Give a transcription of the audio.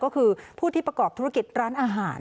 ก็คือผู้ที่ประกอบธุรกิจร้านอาหาร